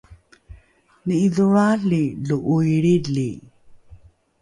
ni’idholroali lo ’oilrili